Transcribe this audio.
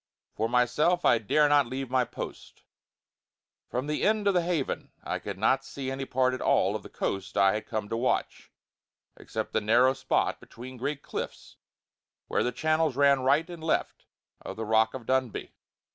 For myself I dare not leave my post; from the end of the Haven I could not see any part at all of the coast I had come to watch, except the narrow spot between great cliffs where the channels ran right and left of the Rock of Dunbuy.